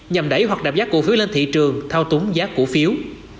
nhằm đẩy hoặc đạp giá củ phiếu lên thị trường thao túng giá củ phiếu